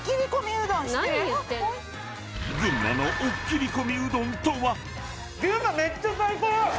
群馬のおっ切り込みうどんとは？